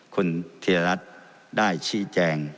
คุณเทียรัตน์ได้ชี้แจง